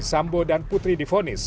sambo dan putri difonis